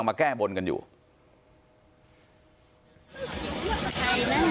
อ๋อนี่เกิดปฏิหารนะคะ